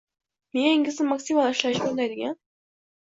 — Miyangizni maksimal ishlashga undaydigan!